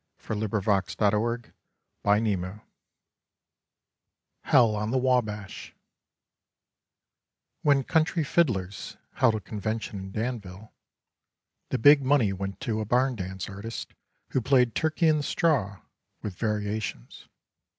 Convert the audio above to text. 64 Slabs of the Sunburnt West HELL ON THE WABASH When country fiddlers held a convention in Danville, the big money went to a barn dance artist who played Turkey in the Straw, with variations.